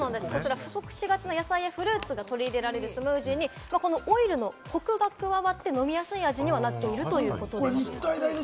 不足しがちな野菜やフルーツが取り入れられて、オイルのコクが加わって飲みやすい味になっています。